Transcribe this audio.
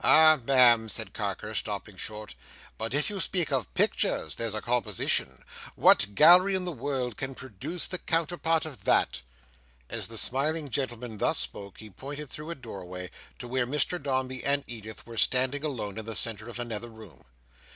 "Ah, Ma'am!" said Carker, stopping short; "but if you speak of pictures, there's a composition! What gallery in the world can produce the counterpart of that?" As the smiling gentleman thus spake, he pointed through a doorway to where Mr Dombey and Edith were standing alone in the centre of another room.